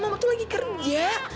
mama tuh lagi kerja